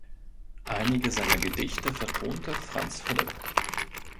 Einige seiner Gedichte vertonte Franz Philipp.